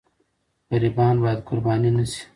غریبان باید قرباني نه سي.